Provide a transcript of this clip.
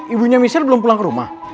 ibunya misir belum pulang ke rumah